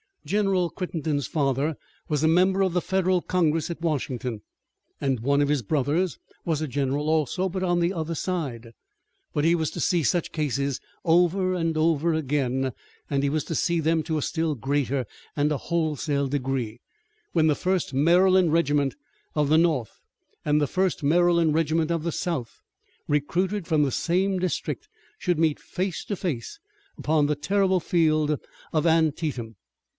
General Crittenden's father was a member of the Federal Congress at Washington, and one of his brothers was a general also, but on the other side. But he was to see such cases over and over again, and he was to see them to a still greater and a wholesale degree, when the First Maryland regiment of the North and the First Maryland regiment of the South, recruited from the same district, should meet face to face upon the terrible field of Antietam.